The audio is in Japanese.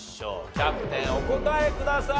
キャプテンお答えください。